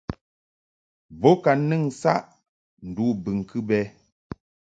Bo ka nɨn saʼ ndu bɨŋkɨ bɛ.